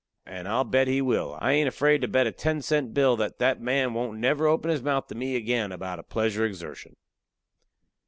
And I'll bet he will. I hain't afraid to bet a ten cent bill that that man won't never open his mouth to me again about a pleasure exertion.